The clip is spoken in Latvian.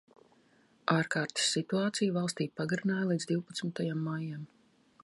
Ārkārtas situāciju valstī pagarināja līdz divpadsmitajam maijam.